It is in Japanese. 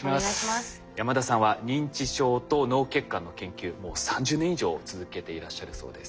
山田さんは認知症と脳血管の研究もう３０年以上続けていらっしゃるそうです。